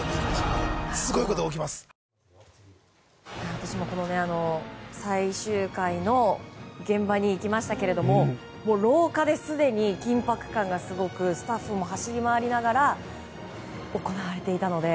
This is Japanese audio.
私、最終回の現場に行きましたけれども廊下で、すでに緊迫感がすごくスタッフも走り回りながら行われていたので。